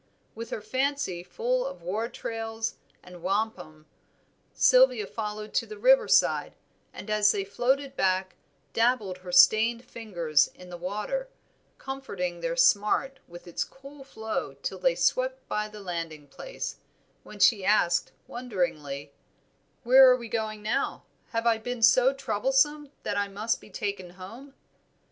With her fancy full of war trails and wampum, Sylvia followed to the river side, and as they floated back dabbled her stained fingers in the water, comforting their smart with its cool flow till they swept by the landing place, when she asked, wonderingly "Where are we going now? Have I been so troublesome that I must be taken home?"